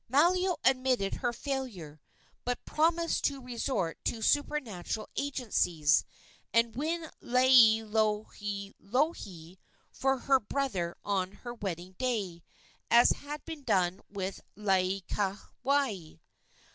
Malio admitted her failure, but promised to resort to supernatural agencies, and win Laielohelohe for her brother on her wedding day, as had been done with Laieikawai.